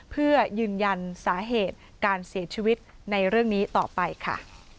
เพื่อยืนยันสาเหตุการเสียชีวิตในเรื่องนี้ต่อไปค่ะ